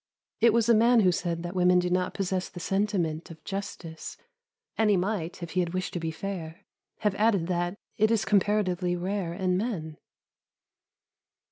It was a man who said that women do not possess the sentiment of justice, and he might, if he had wished to be fair, have added that it is comparatively rare in men.